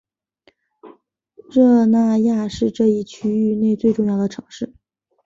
热那亚是这一区域内最重要的城市。